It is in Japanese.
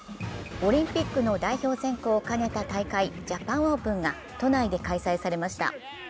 オリンピックの代表選考をかねた大会、ジャパンオープンが都内で開催されました。